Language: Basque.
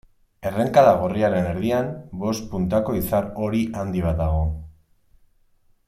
Errenkada gorriaren erdian, bost puntako izar hori handi bat dago.